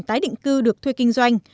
tái định cư được thuê kinh doanh